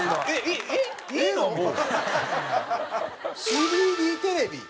３Ｄテレビ。